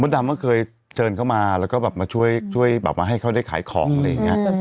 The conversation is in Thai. ดำก็เคยเชิญเข้ามาแล้วก็แบบมาช่วยแบบมาให้เขาได้ขายของอะไรอย่างนี้